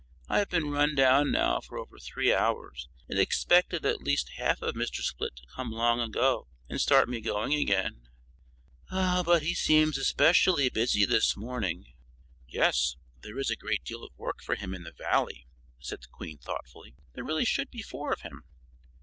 "I've been run down now for over three hours, and expected at least half of Mr. Split to come long ago and start me going again; but he seems especially busy this morning." "Yes, there is a great deal of work for him in the Valley," said the Queen, thoughtfully; "there really should be four of him."